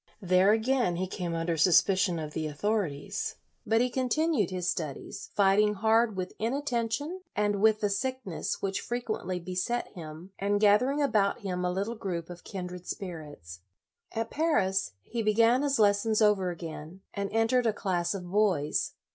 There again he came under suspicion of the authorities, but he 64 LOYOLA continued his studies, fighting hard with inattention and with the sickness which frequently beset him, and gathering about him a little group of kindred spirits. At Paris, he began his lessons over again, and entered a class of boys.